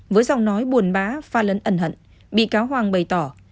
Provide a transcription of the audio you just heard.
với giọng nói buồn bá pha lấn hận bị cáo hoàng bày tỏ